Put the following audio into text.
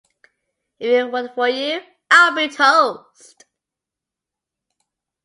If it weren't for you, I'd be toast.